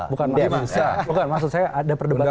bukan maksud saya ada perdebatan